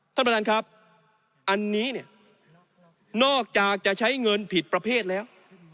ท่านประธานครับอันนี้เนี่ยนอกจากจะใช้เงินผิดประเภทแล้ว